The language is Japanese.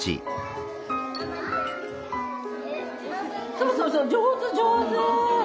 そうそうそう上手上手！